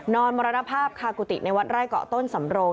มรณภาพคากุฏิในวัดไร่เกาะต้นสำโรง